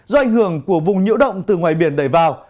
do ảnh hưởng của vùng nhiễu động từ ngoài biển đẩy vào